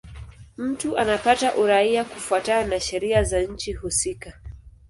Mtu anapata uraia kufuatana na sheria za nchi husika.